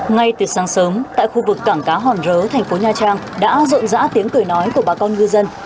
ngay từ sáng sớm tại khu vực cảng cá hòn rớ thành phố nha trang đã rộn rã tiếng cười nói của bà con ngư dân